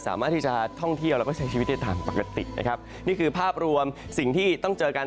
สามารถที่จะท่องเที่ยวแล้วก็ใช้ชีวิตได้ตามปกตินะครับนี่คือภาพรวมสิ่งที่ต้องเจอกัน